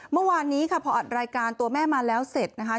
เมื่อวานนี้ค่ะพออัดรายการตัวแม่มาแล้วเสร็จนะคะ